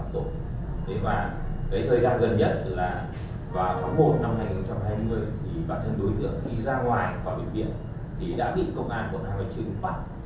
đối tượng khi ra ngoài khỏi bệnh viện thì đã bị cộng an quận hà nội trưởng bắt